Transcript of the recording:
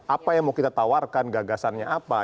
apa yang mau kita tawarkan gagasannya apa